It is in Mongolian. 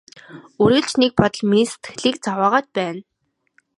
Үргэлж нэг бодол миний сэтгэлийг зовоогоод байна.